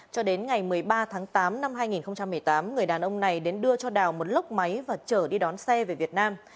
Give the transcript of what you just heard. cho đến ngày một mươi ba tháng tám năm hai nghìn một mươi tám người đàn ông này đến đưa cho đào một lốc máy và chở đi đón xe về việt nam